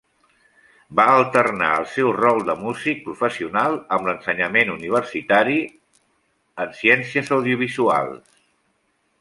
Va alternar el seu rol de músic professional amb l'ensenyament universitari en ciències audiovisuals.